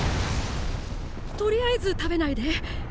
とりあえず食べないで！